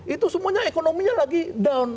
itu semuanya ekonominya lagi down